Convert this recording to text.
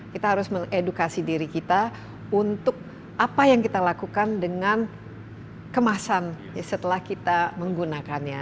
kita harus mengedukasi diri kita untuk apa yang kita lakukan dengan kemasan setelah kita menggunakannya